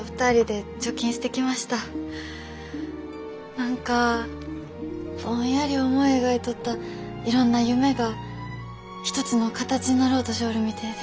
何かぼんやり思い描いとったいろんな夢が一つの形になろうとしょおるみてえで。